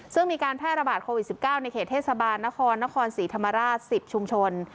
ซึ่งมีการแพร่ระบาดโควิด๑๙ในเขตเทศบาลนครนครศรีธรรมราช๑๐ชุมชน